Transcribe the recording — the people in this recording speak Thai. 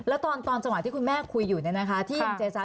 แล้วตอนจังหวะที่คุณแม่คุยอยู่เนี่ยนะคะที่ยังเจจา